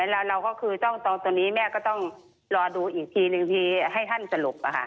แล้วเราก็คือตอนนี้แม่ก็ต้องรอดูอีกทีให้ท่านจะหลบ